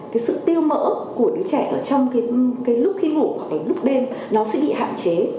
cái sự tiêu mỡ của đứa trẻ ở trong cái lúc khi ngủ hoặc là lúc đêm nó sẽ bị hạn chế